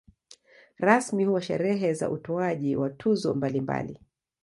Rasmi huwa sherehe za utoaji wa tuzo mbalimbali.